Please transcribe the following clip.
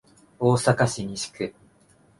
大阪市西区